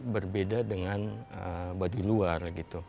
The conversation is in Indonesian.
berbeda dengan baduy luar